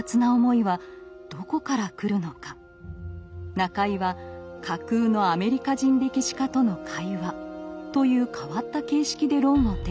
中井は架空のアメリカ人歴史家との会話という変わった形式で論を展開。